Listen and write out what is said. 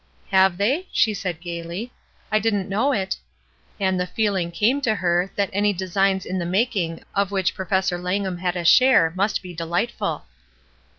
"Have they?" she said gayly. "I didn't know it." And the feeling came to her that WORDS 141 any designs in the making of which Professor Langham had a share must be delightful.